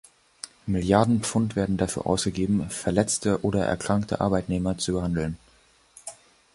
Milliarden Pf- und werden dafür ausgegeben, verletzte oder erkrankte Arbeitnehmer zu behandeln.